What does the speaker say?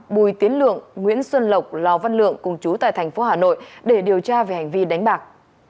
bùi tiến lượng nguyễn xuân lộc lò văn lượng cùng chú tại thành phố hà nội để điều tra về hành vi đánh bạc